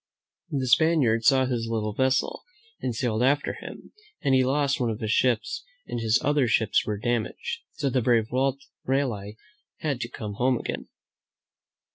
The Spaniards saw his little vessels and sailed after him, and he lost one of his ships and his other ships were damaged; so the brave Raleigh had to come home again.